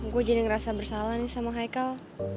gue jadi ngerasa bersalah nih sama haicle